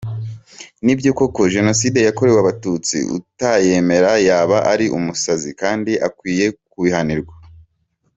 Nibyo koko Jenoside yakorewe abatutsi utayemera yaba ari umusazi, kandi akwiye kubihanirwa.